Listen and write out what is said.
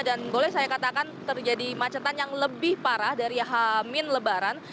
dan boleh saya katakan terjadi macetan yang lebih parah dari hamin lebaran